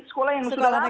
sekolah yang sudah lama